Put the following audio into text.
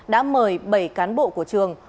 đã mời bảy cán bộ của trường